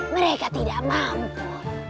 mereka tidak mampu